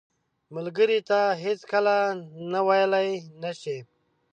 ملګری ته هیڅکله نه ویلې نه شي